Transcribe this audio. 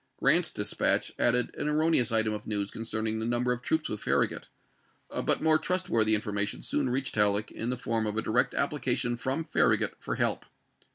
Grant's dispatch added an erroneous item of news concerning the number of troops with Farragut, but more trust worthy information soon reached Halleck in the form of a direct application from Farragut for help.